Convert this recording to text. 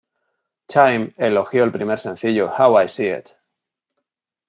Time elogió el primer sencillo, "How I See It?